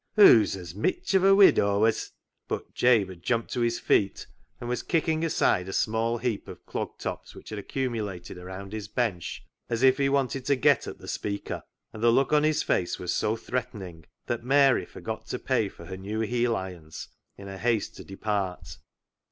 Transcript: " Hoo's as mitch a widow as "— But Jabe had jumped to his feet, and was kicking aside a small heap of clog tops which had accumulated around his bench as if he wanted to get at the speaker, and the look on his face was so threatening that Mary forgot to pay for her new heel irons in her haste to depart.